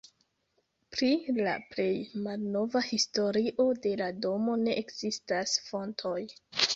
Pri la plej malnova historio de la domo ne ekzistas fontoj.